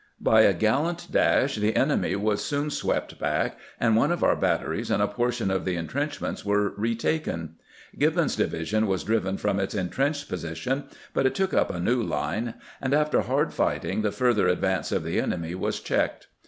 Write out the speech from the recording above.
By a gallant dash the enemy was soon swept back, and one of our batteries and a portion of the intrenchments were retaken. Gribbon's divison was driven from its intrenched position, but it took up a new line, and after hard fighting the further advance of the enemy was checked.